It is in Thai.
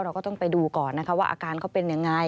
เราก็ต้องไปดูก่อนว่าอาการเขาเป็นอย่างไร